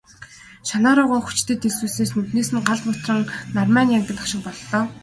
Шанаа руугаа хүчтэй дэлсүүлснээс нүднээс нь гал бутран, нармай нь янгинах шиг болно.